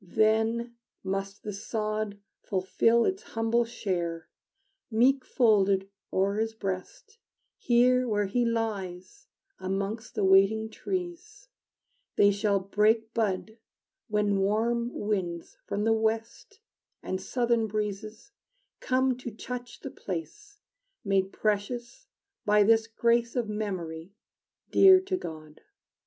Then must the sod Fulfill its humble share, Meek folded o'er his breast, Here where he lies amongst the waiting trees: They shall break bud when warm winds from the west And southern breezes come to touch the place Made precious by this grace Of memory dear to God.